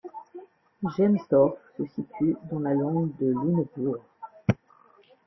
Jelmstorf se situe dans la lande de Lunebourg.